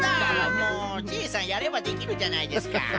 もうジェイさんやればできるじゃないですか。